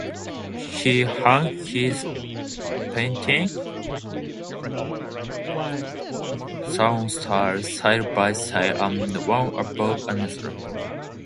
He hung his paintings "salon style"-side by side and one above another.